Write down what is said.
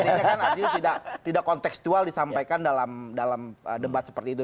artinya kan artinya tidak konteksual disampaikan dalam debat seperti itu